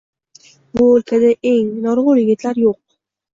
Bu o’lkada endi norg’ul yigitlar yo’q